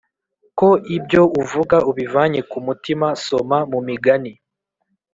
Ko ibyo uvuga ubivanye ku mutima soma mu migani